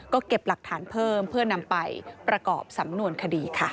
ก็เก็บหลักฐานเพิ่มเพื่อนำไปประกอบสำนวนคดีค่ะ